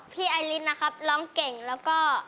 ไอลินนะครับร้องเก่งแล้วก็